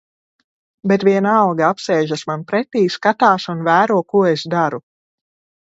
Bet vienalga apsēžas man pretī, skatās un vēro, ko es daru.